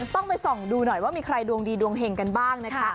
ต้องไปส่องดูหน่อยว่ามีใครดวงดีดวงเห็งกันบ้างนะคะ